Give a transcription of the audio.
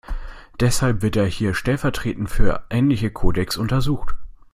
Deshalb wird er hier stellvertretend für ähnliche Codecs untersucht.